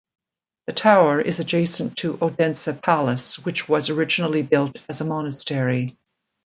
The tower is adjacent to Odense Palace which was originally built as a monastery.